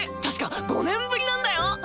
確か５年ぶりなんだよ！